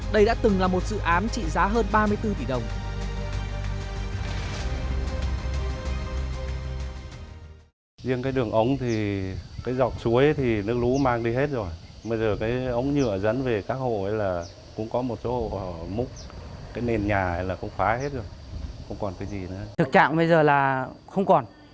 đây đã từng là một dự án trị giá hơn ba mươi bốn tỷ đồng